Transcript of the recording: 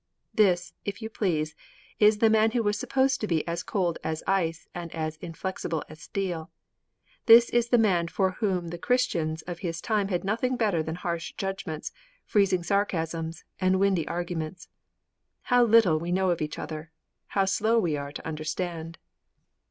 _"' This, if you please, is the man who was supposed to be as cold as ice and as inflexible as steel! This is the man for whom the Christians of his time had nothing better than harsh judgments, freezing sarcasms and windy arguments! How little we know of each other! How slow we are to understand!